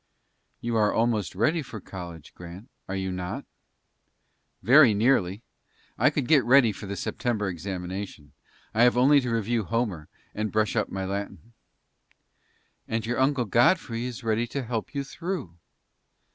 "You are almost ready for college, Grant, are you not?" "Very nearly. I could get ready for the September examination. I have only to review Homer, and brush up my Latin." "And your uncle Godfrey is ready to help you through."